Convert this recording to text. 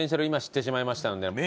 今知ってしまいましたので。